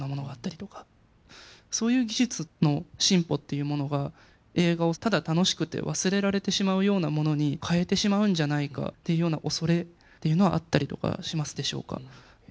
そういう技術の進歩っていうものが映画をただ楽しくて忘れられてしまうようなものに変えてしまうんじゃないかっていうようなおそれっていうのはあったりとかしますでしょうか？